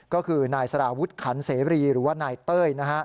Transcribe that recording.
ก็คือนายสารวุฒิขันเสรีหรือว่านายเต้ย